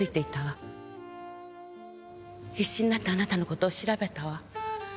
必死になってあなたの事を調べたわ。